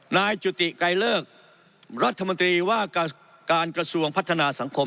นายจุติไกรเลิกรัฐมนตรีว่าการกระทรวงพัฒนาสังคม